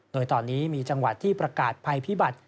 โดยตอนนี้มีจังหวัดที่ประกาศภัยพิบัติ